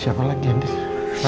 siapa lagi yang disini